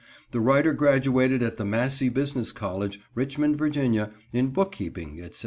The writer graduated at the Massey Business College, Richmond, Va., in bookkeeping, etc.